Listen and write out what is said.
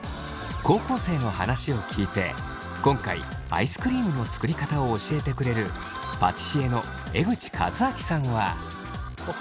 高校生の話を聞いて今回アイスクリームの作りかたを教えてくれるパティシエの江口和明さんは。をご紹介します。